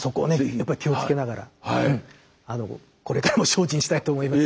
やっぱり気をつけながらこれからも精進したいと思います。